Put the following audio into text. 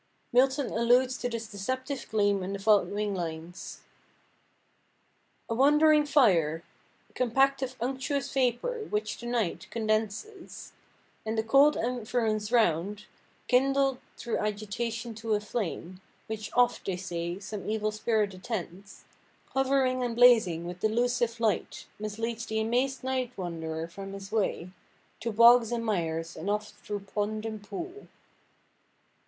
Milton alludes to this deceptive gleam in the following lines— "... A wandering fire, Compact of unctuous vapour, which the night Condenses, and the cold environs round, Kindled through agitation to a flame, Which oft, they say, some evil spirit attends, Hovering and blazing with delusive light, Misleads th' amazed night–wanderer from his way To bogs and mires, and oft through pond and pool."